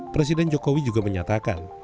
presiden jokowi juga menyatakan